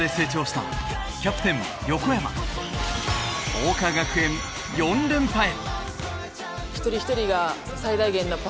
桜花学園４連覇へ。